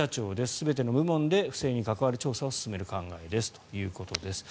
全ての部門について不正に関わる調査を進める考えですということです。